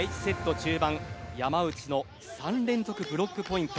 中盤山内の３連続ブロックポイント。